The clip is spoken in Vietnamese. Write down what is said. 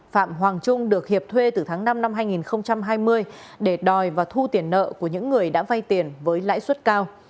phạm hoàng trung được hiệp thuê từ tháng năm năm hai nghìn hai mươi để đòi và thu tiền nợ của những người đã vay tiền với lãi suất cao